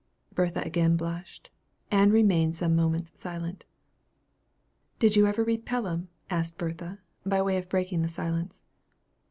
Bertha again blushed. Ann remained some moments silent. "Did you ever read Pelham?" asked Bertha, by way of breaking the silence.